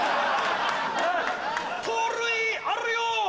盗塁あるよ‼